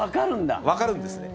わかるんですね。